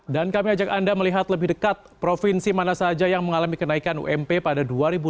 dan kami ajak anda melihat lebih dekat provinsi mana saja yang mengalami kenaikan ump pada dua ribu dua puluh satu